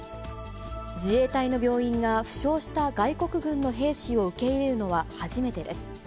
自衛隊の病院が負傷した外国軍の兵士を受け入れるのは初めてです。